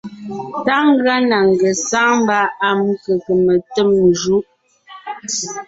Tá ngʉa na ngesáŋ mba am kqm tem jú.